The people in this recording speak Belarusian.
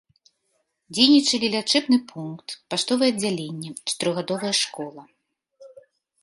Дзейнічалі лячэбны пункт, паштовае аддзяленне, чатырохгадовая школа.